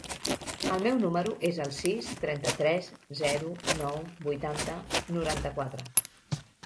El meu número es el sis, trenta-tres, zero, nou, vuitanta, noranta-quatre.